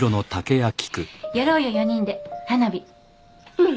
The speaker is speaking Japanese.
うん。